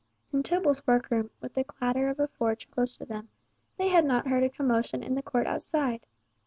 In Tibble's workroom, with the clatter of a forge close to them, they had not heard a commotion in the court outside.